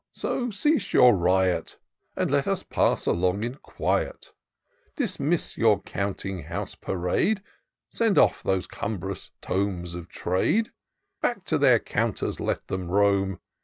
— so cease your riot. And let us pass along in quiet* Dismiss your 'counting house parade ; Send off these cumbrous tomes of trade : Back to their counters let them roam.